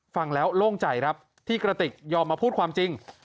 ฟังแล้วโล่งใจครับที่กระติกยอมมาพูดความจริง